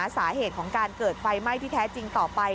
สาเหตุของการเกิดไฟไหม้ที่แท้จริงต่อไป